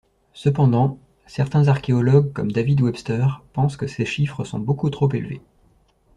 Cependant, certains archéologues, comme David Webster, pensent que ces chiffres sont beaucoup trop élevés.